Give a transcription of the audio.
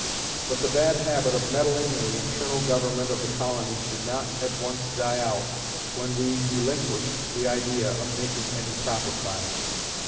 But the bad habit of meddling in the internal government of the colonies did not at once die out when we relinquished the idea of making any profit by it.